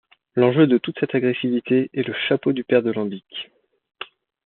L’enjeu de toute cette agressivité est le chapeau du père de Lambique.